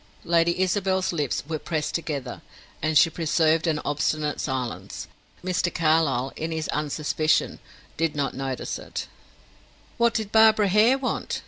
Lady Isabel's lips were pressed together, and she preserved an obstinate silence. Mr. Carlyle, in his unsuspicion, did not notice it. "What did Barbara Hare want?"